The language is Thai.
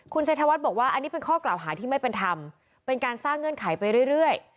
ชัยธวัฒน์บอกว่าอันนี้เป็นข้อกล่าวหาที่ไม่เป็นธรรมเป็นการสร้างเงื่อนไขไปเรื่อย